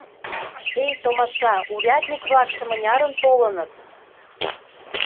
— Эй, томаша, урядник-влакше мынярын толыныт.